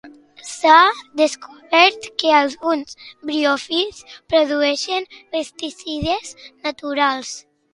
S'ha descobert que alguns briòfits produeixen pesticides naturals.